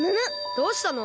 どうしたの？